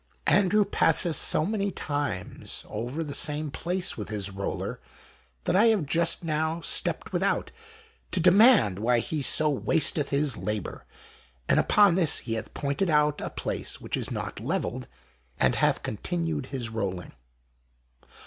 Andrew passeth so many times over the same place with his roller that I have just now stepped with out to demand why he so wasteth his labour, and upon this he hath pointed out a place which is not levelled, and hath continued his rolling.